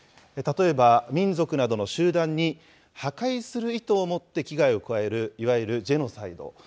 例えば、民族などの集団に破壊する意図を持って危害を加えるいわゆるジェノサイド。